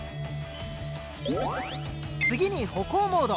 次に歩行モード。